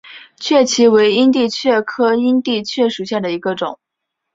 蕨萁为阴地蕨科阴地蕨属下的一个种。